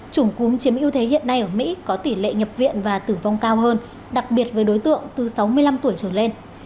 chủng cúm chiếm ưu thế hiện nay ở mỹ có tỷ lệ nhập viện và tử vong cao hơn đặc biệt với đối tượng từ sáu mươi năm tuổi trở lên